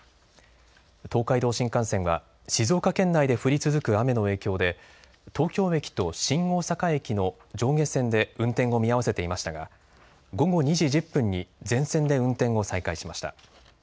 東海道新幹線は静岡県内で降り続く雨の影響で東京駅と新大阪駅の上下線で運転を見合わせていましたが午後２時１０分に全線で運転を再開しました。